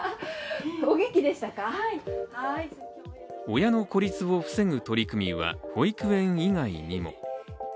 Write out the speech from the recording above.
親の孤立を防ぐ取り組みは保育園以外にも。